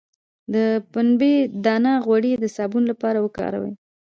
د پنبې دانه غوړي د صابون لپاره وکاروئ